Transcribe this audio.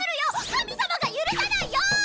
神様が許さないよ！